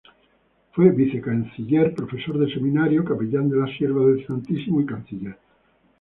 Fue vicecanciller, profesor del Seminario, capellán de las Siervas del Santísimo y Canciller.